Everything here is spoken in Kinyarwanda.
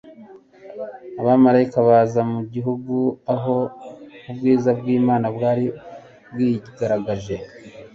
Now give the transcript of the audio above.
Abamalayika baza mu gihugu aho ubwiza bw'Imana bwari bwigaragaje,